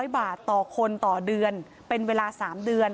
๐บาทต่อคนต่อเดือนเป็นเวลา๓เดือน